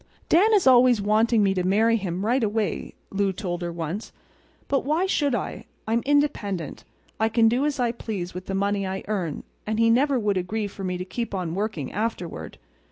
"Dan is always wanting me to marry him right away," Lou told her once. "But why should I? I'm independent. I can do as I please with the money I earn; and he never would agree for me to keep on working afterward.